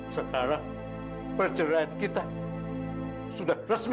sekarang perceraian kita sudah resmi